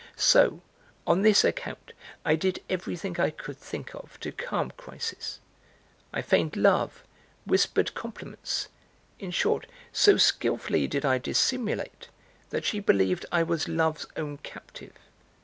So on this account, I did everything I could think of to calm Chrysis. I feigned love, whispered compliments, in short, so skillfully did I dissimulate that she believed I was Love's own captive.